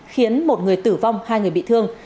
khiến một người tử vong hai người bị thương